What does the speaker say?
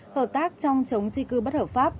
hợp tác trong chống di cư bất hợp pháp